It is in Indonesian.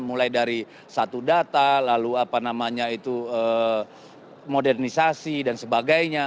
mulai dari satu data lalu apa namanya itu modernisasi dan sebagainya